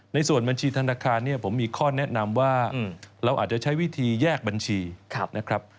ในส่วนบัญชีธนาคารเนี่ยผมมีข้อแนะนำว่าเราอาจจะใช้วิธีแยกบัญชีนะครับ